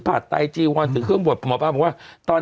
อย่างนี้อย่างที่หมอปราเล่ากิน